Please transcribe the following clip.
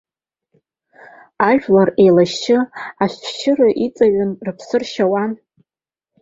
Ажәлар еилашьшьы ашәшьыра иҵаианы рыԥсы ршьауан.